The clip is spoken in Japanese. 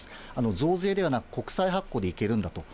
増税ではなく、国債発行でいけるんだと。